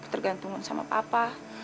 tergantungan sama papa